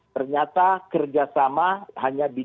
ternyata kerjasama hanya didalam